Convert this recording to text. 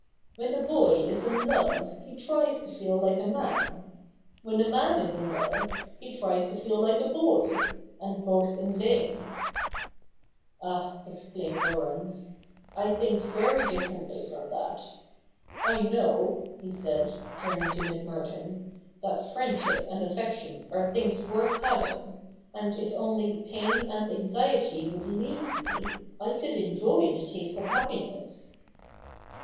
^\'hen the boy is in love, he tries to feel like a man : when the man is in love, he tries to feel like a boy ; and both in vain.' 58 THE NEW REPUBLIC [bk. i ' Ah,' exclaimed Laurence, 'I think very differently from that. I know,' he said, turning to Miss Merton, ' that friendship and affection are things worth having ; and if only pain and anxiety would leave me, I could enjoy the taste of happiness.'